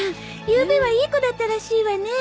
ゆうべはいい子だったらしいわね。